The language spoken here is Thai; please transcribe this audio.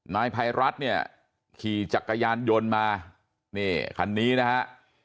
นายภัยรัฐเนี่ยขี่จักรยานยนต์มานี่คันนี้นะฮะ